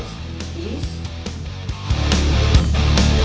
dan sangat mudah